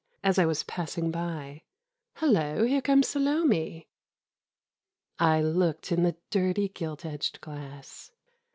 As I was passing by, 1 lullo, here comes Salome. ..." I looked in the dirty i^ili edged glass.